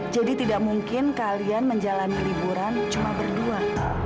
jadi tidak mungkin kalian menjalani liburan cuma berdua